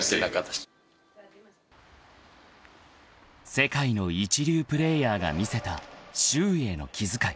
［世界の一流プレーヤーが見せた周囲への気遣い］